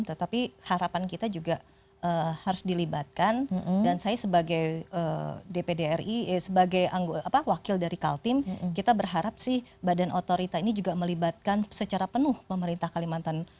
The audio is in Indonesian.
tetapi harapan kita juga harus dilibatkan dan saya sebagai dpd ri sebagai wakil dari kaltim kita berharap sih badan otorita ini juga melibatkan secara penuh pemerintah kalimantan